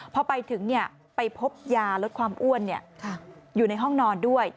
พอไปถึงไปพบยาลดความอ้วนอยู่ในห้องนอนด้วย